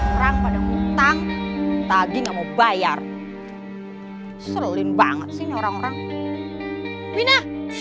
orang pada ngutang tadi nggak mau bayar selin banget sih orang orang wina